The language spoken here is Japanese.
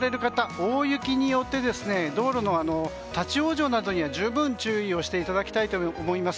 大雪によって道路での立往生などには十分、注意をしていただきたいと思います。